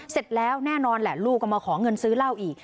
เสร็จแล้วแน่นอนแหละลูกก็มาขอเงินซื้อเหล้าอีก